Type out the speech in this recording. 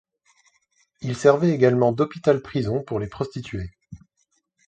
Il servait également d'hôpital prison pour les prostituées.